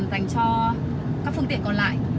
dành cho các phương tiện còn lại